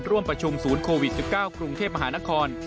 ร่วมประชุมศูนย์โควิด๑๙กรุงเทพมหานคร